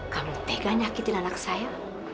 kamu teganya akitin anak saya